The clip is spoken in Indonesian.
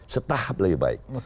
setahap lebih baik